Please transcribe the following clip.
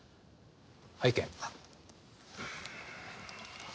拝見。